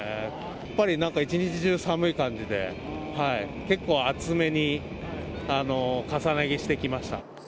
やっぱりなんか一日中寒い感じで、結構厚めに重ね着してきました。